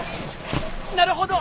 なるほど。